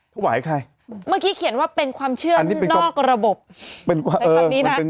ถวายใครเมื่อกี้เขียนว่าเป็นความเชื่อนอกระบบใช้คำนี้นะ